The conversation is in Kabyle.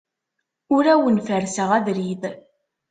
Ur awen-ferrseɣ abrid.